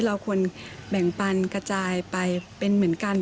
ตามแนวทางศาสตร์พระราชาของในหลวงราชการที่๙